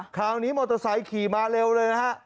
คราวนี้มอเตอร์ไซค์ขี่มาเร็วเลยนะฮะ